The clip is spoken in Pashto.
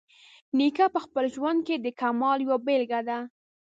نیکه په خپل ژوند کې د کمال یوه بیلګه ده.